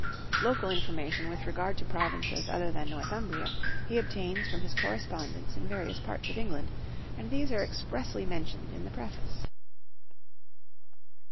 Local information with regard to provinces other than Northumbria he obtains from his correspondents in various parts of England, and these are expressly mentioned in the Preface.